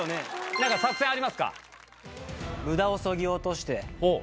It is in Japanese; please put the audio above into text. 何か作戦ありますか？